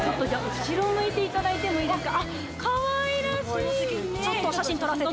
後ろ向いていただいていいですか？